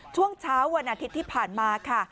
ช่วงเช้าวันอาทิตย์ที่ผ่านมาค่ะ